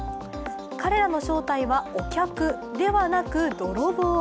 彼らの正体はお客ではなく泥棒。